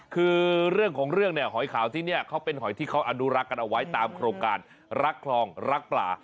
คือเรื่องของเรื่องเนี่ยหอยขาวที่นี่เขาเป็นหอยที่เขาอนุรักษ์กันเอาไว้ตามโครงการรักคลองรักปลา